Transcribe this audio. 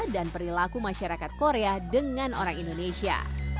perilaku masyarakat korea dengan orang indonesia